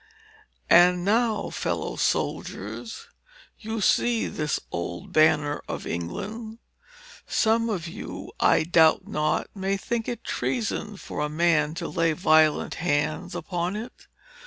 "And now, fellow soldiers, you see this old banner of England. Some of you, I doubt not, may think it treason for a man to lay violent hands upon it.